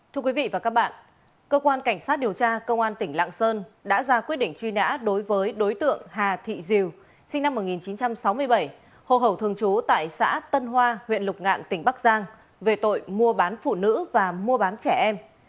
thưa quý vị và các bạn cơ quan cảnh sát điều tra công an tỉnh lạng sơn đã ra quyết định truy nã đối với đối tượng hà thị diều sinh năm một nghìn chín trăm sáu mươi bảy hồ hậu thường trú tại xã tân hoa huyện lục ngạn tỉnh bắc giang về tội mua bán phụ nữ và mua bán trẻ em